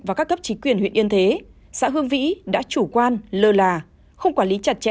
và các cấp chính quyền huyện yên thế xã hương vĩ đã chủ quan lơ là không quản lý chặt chẽ